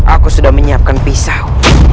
aku sudah menyiapkan pisau